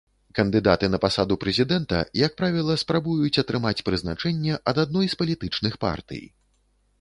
Кандыдаты на пасаду прэзідэнта, як правіла, спрабуюць атрымаць прызначэнне ад адной з палітычных партый.